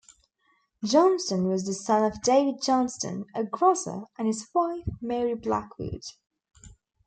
Johnston was the son of David Johnston, a grocer, and his wife, Mary Blackwood.